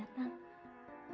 bapak sudah datang